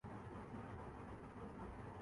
FIFA world cup Peru نے Australia کو شکست دیدی